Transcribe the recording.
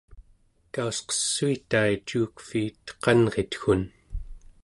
kausqessuitai cuukviit qanritgun